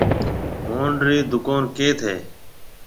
موهن رِي دُڪون ڪيٿ هيَ؟